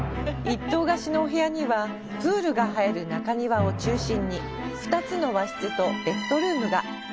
一棟貸しのお部屋には、プールが映える中庭を中心に２つの和室とベッドルームが。